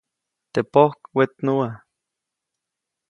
Teʼ pojk wetnuʼa.